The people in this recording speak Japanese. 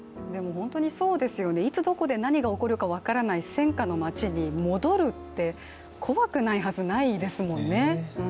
本当にそうですよね、いつどこで何が起こるか分からない戦禍の街に戻るって怖くないはずがないですもんね。